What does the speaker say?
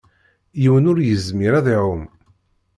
Yiwen ur yezmir ad iɛum.